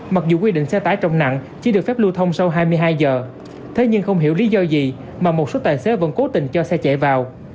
mặc dù quy định xe tải trọng nặng chỉ được phép lưu thông sau hai mươi hai giờ thế nhưng không hiểu lý do gì mà một số tài xế vẫn cố tình cho xe chạy vào